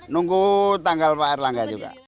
nunggu tanggal pak erlangga juga